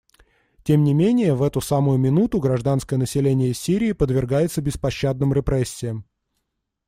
Тем не менее в эту самую минуту гражданское население Сирии подвергается беспощадным репрессиям.